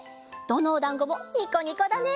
どのおだんごもニコニコだね。